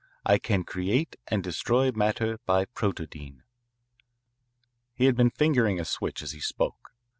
I can create and destroy matter by protodyne." He had been fingering a switch as he spoke.